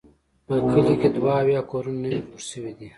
په کلي کې دوه اویا کورونه نوي جوړ شوي دي.